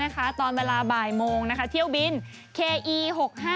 จะเดินทางกลับเมืองไทยในวันอาทิตย์ที่๒๗ธันวานี้นะคะ